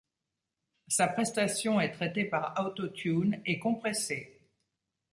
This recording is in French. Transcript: Sa prestation est traitée par Auto-Tune et compressée.